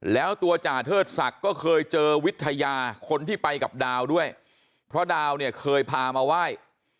แล้วตัวจ่าเทิดศักดิ์ก็เคยเจอวิทยาคนที่ไปกับดาวด้วยเพราะดาวเนี่ยเคยพามาไหว้